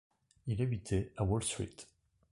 Il habitait à Wall Street.